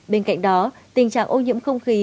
bên cạnh đó tình trạng ô nhiễm không khí